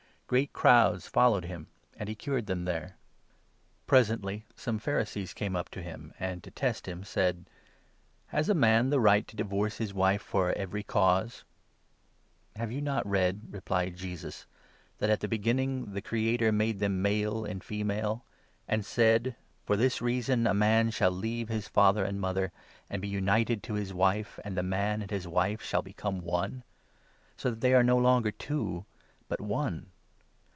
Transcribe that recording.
Great crowds followed him, and he cured them there, 22 Gen. 4. 24. MATTHEW, 19. 77 Presently some Pharisees came up to him, and, to test him, 3 said :'' Has a man the right to divorce his wife for every cause ?"" Have not you read," replied Jesus, " that at the beginning 4 the Creator ' made them male and female,' and said— 5 ' For this reason a man shall leave his father and mother, and be united to his wife, and the man and his wife shall become one '? So that they are no longer two, but one.